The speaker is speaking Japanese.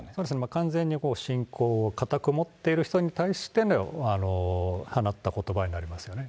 完全に信仰を固く持っている人に対しての放ったことばになりますよね。